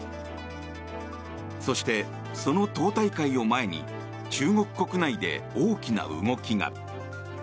そして、その党大会を前に中国国内で大きな動きが。